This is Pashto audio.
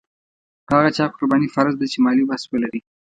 په هغه چا قرباني فرض ده چې مالي وس ولري.